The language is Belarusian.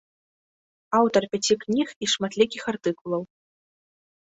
Аўтар пяці кніг і шматлікіх артыкулаў.